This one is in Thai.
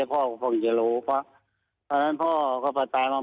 ครับ